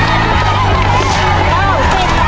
อันซ่อน